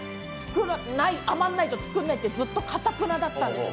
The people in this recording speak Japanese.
余らないと作らないって、ずっとかたくなだったんです。